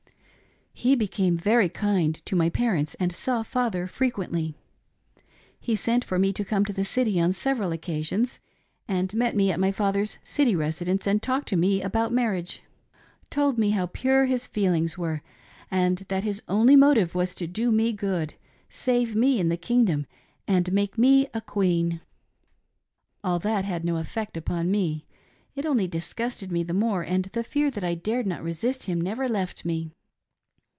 He became very kind to my parents, and saw father frequently. He sent foi me to come to the city on several occasions and met me at my father's city res idence, and talked to me about marriage ; told me how pure his feelings were, and that his only motive was to do me good, save me in the kingdom and maki "NUMBER NINETEEN" TELLS HER OWN STORY. 28/ me a queen. All that had no effect upon me ; it only disgusted me the more, and the fear that I dared not resist him never left me.